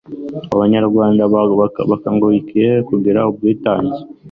abanyarwanda bakangukiye kugira ubwitange